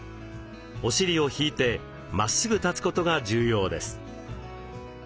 お尻を引いてまっすぐ立つことが重要です。